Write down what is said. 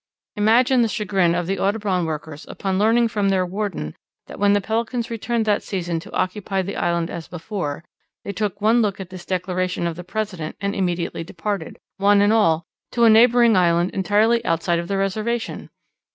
Imagine the chagrin of the Audubon workers upon learning from their warden that when the Pelicans returned that season to occupy the island as before, they took one look at this declaration of the President and immediately departed, one and all, to a neighbouring island entirely outside of the reservation!